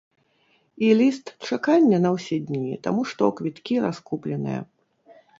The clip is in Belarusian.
І ліст чакання на ўсе дні, таму што квіткі раскупленыя.